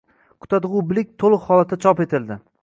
“Qutadgʻu bilig“ toʻliq holatda chop etildi